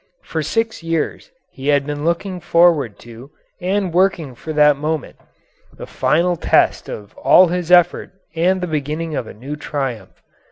For six years he had been looking forward to and working for that moment the final test of all his effort and the beginning of a new triumph.